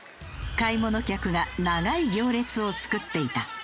買い物客が長い行列を作っていた。